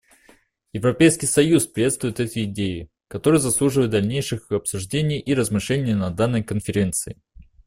Европейский союз приветствует эти идеи, которые заслуживают дальнейших обсуждений и размышлений на данной Конференции.